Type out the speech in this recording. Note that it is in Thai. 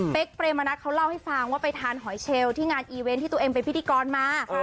เป็นเปรมนัดเขาเล่าให้ฟังว่าไปทานหอยเชลที่งานอีเวนต์ที่ตัวเองเป็นพิธีกรมา